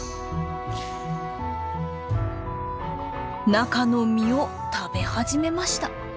中の実を食べ始めました。